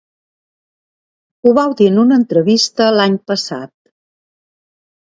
Ho vau dir en una entrevista l’any passat.